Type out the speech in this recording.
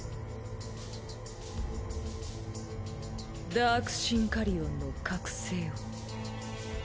ダークシンカリオンの覚醒を。